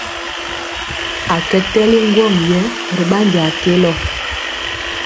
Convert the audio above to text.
A kɛ tɛli ŋgwɔŋ yɛ ri ɓandi a kelɔ.